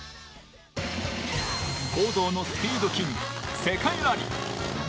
公道のスピードキング世界ラリー。